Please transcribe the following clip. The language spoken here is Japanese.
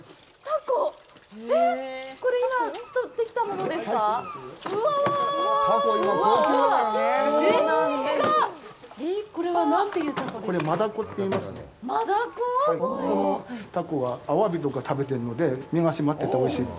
ここのタコはアワビとか食べてるので身が締まってておいしいです。